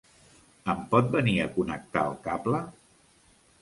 Em pot venir a connectar el cable?